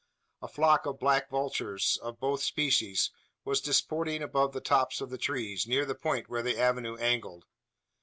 A flock of black vultures, of both species, was disporting above the tops of the trees, near the point where the avenue angled.